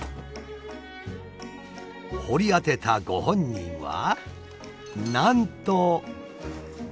掘り当てたご本人はなんと。